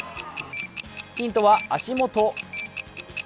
ヒントは足元。